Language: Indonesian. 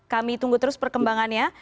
kami tunggu terus perkembangannya